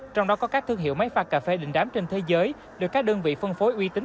trong đó có các thương hiệu máy pha cà phê định đám trên thế giới được các đơn vị phân phối uy tín